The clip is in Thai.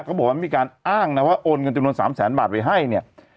เขาบอกว่ามีการอ้างนะว่าโอนเงินจำนวน๓แสนบาทไปให้เนี่ย